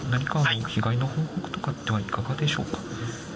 被害の報告とかはいかがでしょうか。